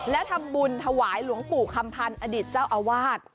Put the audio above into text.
และทำบุญถวายหลวงปู่คำพันธ์อดิษฐ์เจ้าอาวาส